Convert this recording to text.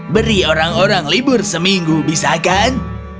beri orang orang libur seminggu bisa kan